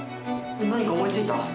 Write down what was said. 何か思いついた？